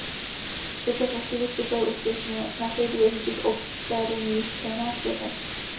V současnosti vystupuje úspěšně na všech důležitých operních scénách světa.